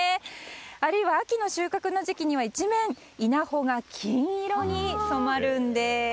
あるいは、秋の収穫の時期には一面、稲穂が金色に染まるんです。